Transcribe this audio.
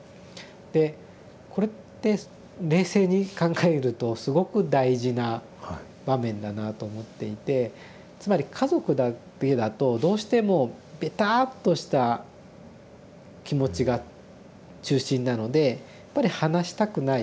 でこれって冷静に考えるとすごく大事な場面だなと思っていてつまり家族だけだとどうしてもべたっとした気持ちが中心なのでやっぱり離したくない。